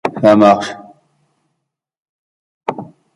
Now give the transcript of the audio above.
Ron and Hermione are also sorted into Gryffindor.